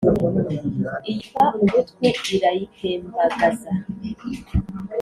iyikuba umutwe irayitembagaza